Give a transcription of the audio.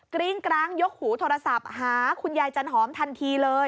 กริ้งกร้างยกหูโทรศัพท์หาคุณยายจันหอมทันทีเลย